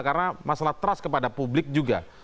karena masalah trust kepada publik juga